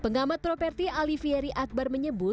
pengamat properti alivieri akbar menyebut